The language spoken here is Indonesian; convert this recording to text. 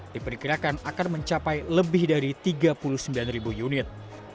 diperkirakan akan mencapai lebih dari tiga puluh sembilan ribu unit